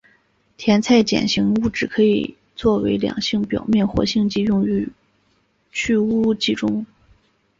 甜菜碱型物质可作为两性表面活性剂用于去污剂中。